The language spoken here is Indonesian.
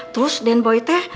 terus dan boy teh